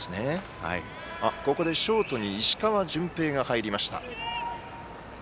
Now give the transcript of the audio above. ここで、ショートに石川純平が入りました。